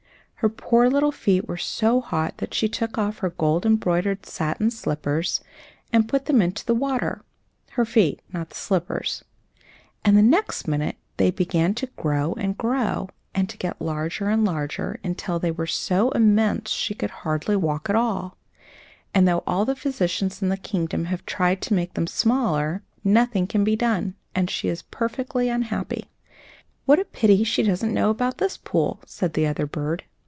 Her poor little feet were so hot that she took off her gold embroidered satin slippers, and put them into the water her feet, not the slippers and the next minute they began to grow and grow, and to get larger and larger, until they were so immense she could hardly walk at all; and though all the physicians in the kingdom have tried to make them smaller, nothing can be done, and she is perfectly unhappy." "What a pity she doesn't know about this pool!" said the other bird.